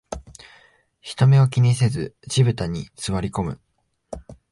人目を気にせず地べたに座りこむ